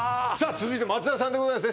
続いて松田さんでございます